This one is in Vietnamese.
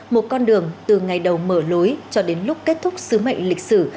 một con đường từ ngày đầu mở lối cho đến lúc kết thúc sứ mệnh lịch sử